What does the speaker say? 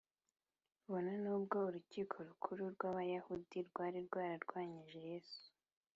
bona nubwo urukiko rukuru rw’abayahudi rwari rwararwanyije yesu,